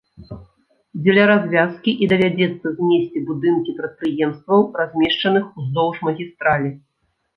Дзеля развязкі і давядзецца знесці будынкі прадпрыемстваў, размешчаных уздоўж магістралі.